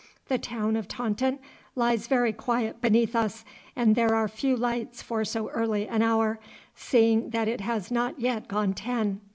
The town of Taunton lies very quiet beneath us, and there are few lights for so early an hour, seeing that it has not yet gone ten.